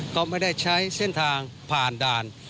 เขาไม่ได้ใช้เส้นทางผ่านด่าน